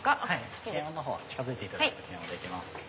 近づいていただくと検温できます。